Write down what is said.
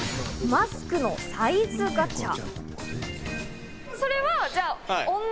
マスクのサイズガチャ。